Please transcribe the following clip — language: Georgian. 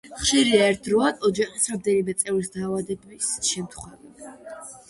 ხშირია ერთდროულად ოჯახის რამდენიმე წევრის დაავადების შემთხვევები.